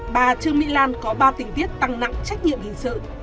bà trương mỹ lan có ba tình tiết tăng nặng trách nhiệm hình sự